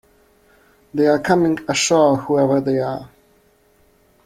They are coming ashore, whoever they are.